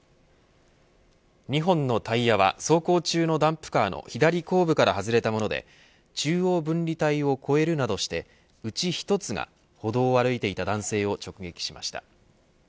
２本のタイヤは走行中のダンプカーの左後部から外れたもので中央分離帯を越えるなどしてうち１つが歩道を歩いていた男性を直撃しました。